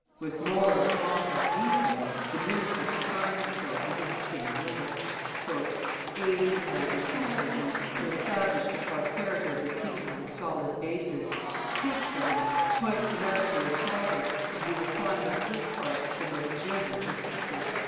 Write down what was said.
With more of pomp and detail, the minister confined himself within the same limits. "Aid his Majesty," said he, "to establish the prosperity of the kingdom on solid bases, seek for them, point them out to your sovereign, and you will find on his part the most generous assistance."